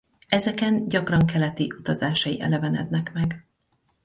Ezeken gyakran keleti utazásai elevenednek meg.